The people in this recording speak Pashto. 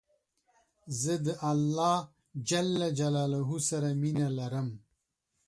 زه د الله ج سره مينه لرم